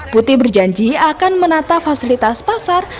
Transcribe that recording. putih berjanji akan menata fasilitas pasar